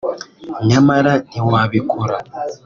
nyamara ntiwabikora